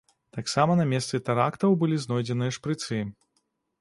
Таксама на месцы тэрактаў былі знойдзеныя шпрыцы.